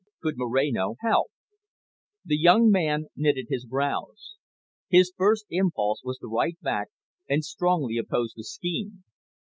Could Moreno help? The young man knitted his brows. His first impulse was to write back and strongly oppose the scheme.